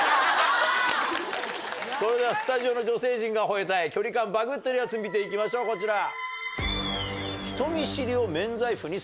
それではスタジオの女性陣が吠えたい距離感バグってるヤツ見て行きましょうこちら。